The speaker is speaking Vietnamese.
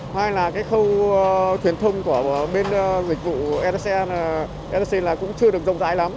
hay là cái khâu thuyền thông của bên dịch vụ etc là cũng chưa được rộng rãi lắm